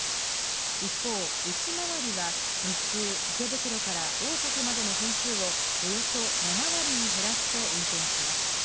一方、内回りは日中、池袋から大崎までの本数をおよそ７割に減らして運転します。